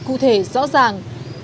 cụ thể rõ ràng